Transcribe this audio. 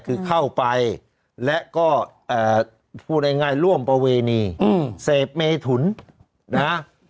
คือเข้าไปและก็เอ่อพูดง่ายง่ายร่วมประเวณีอืมเสพเมทุนนะ